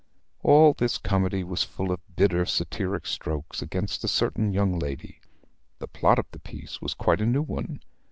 All this comedy was full of bitter satiric strokes against a certain young lady. The plot of the piece was quite a new one.